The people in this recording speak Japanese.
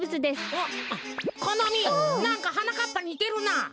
あっこのみなんかはなかっぱにてるなあ。